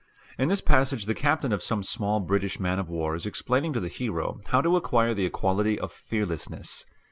In this passage the captain of some small British man of war is explaining to the hero how to acquire the quality of fearlessness.